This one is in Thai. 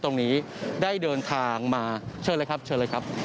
ตรงนี้ได้เดินทางมาเชิญเลยครับเชิญเลยครับ